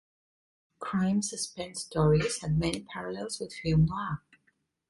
"Crime SuspenStories" had many parallels with "film noir".